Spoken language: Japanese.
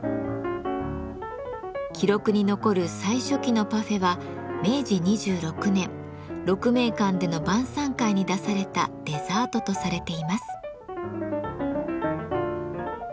記録に残る最初期のパフェは明治２６年鹿鳴館での晩餐会に出されたデザートとされています。